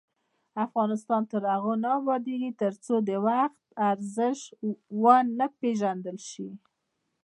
افغانستان تر هغو نه ابادیږي، ترڅو د وخت ارزښت ونه پیژندل شي.